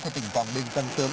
theo tỉnh hoàng bình tân tướng